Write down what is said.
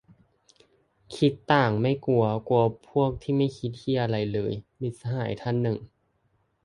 "คิดต่างไม่กลัว กลัวพวกที่ไม่คิดเหี้ยอะไรเลย" - มิตรสหายท่านหนึ่ง